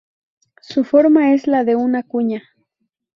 Su forma es la de una cuña.